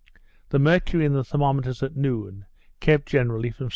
The mercury in the thermometers at noon, kept generally from 79 to 82.